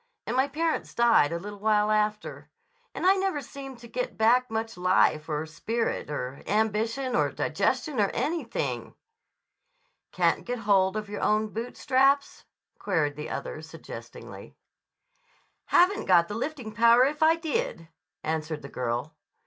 And my parents died a little while after. And I never seemed to get back much life or spirit or ambition or digestion or anything." "Can't get hold of your own boot straps?" queried the other suggestingly. "Haven't got the lifting power if I did," answered the girl.